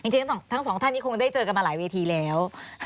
จริงทั้งสองท่านนี้คงได้เจอกันมาหลายเวทีแล้ว